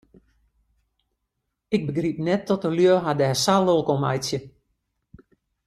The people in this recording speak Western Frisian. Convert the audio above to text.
Ik begryp net dat de lju har dêr sa lilk om meitsje.